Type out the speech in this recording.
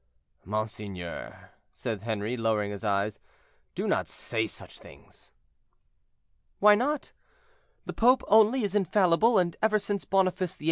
"Monseigneur," said Henri, lowering his eyes, "do not say such things." "Why not? The pope only is infallible, and ever since Boniface VIII.